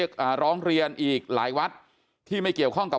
เพราะทนายอันนันชายชายเดชาบอกว่าจะเป็นการเอาคืนยังไง